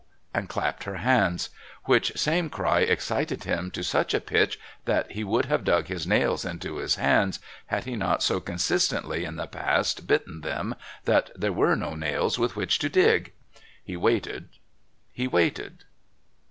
and clapped her hands, which same cry excited him to such a pitch that he would have dug his nails into his hands had he not so consistently in the past bitten them that there were no nails with which to dig. He waited. He waited.